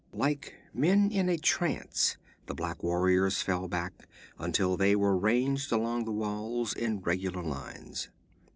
Like men in a trance the black warriors fell back until they were ranged along the walls in regular lines.